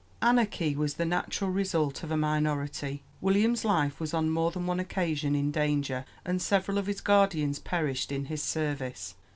Anarchy was the natural result of a minority. William's life was on more than one occasion in danger, and several of his guardians perished in his service.